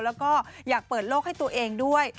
แล้วก็อยากเปิดโลกให้ตัวเองด้วย